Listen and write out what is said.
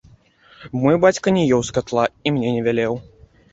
Мой бацька не еў з катла і мне не вялеў.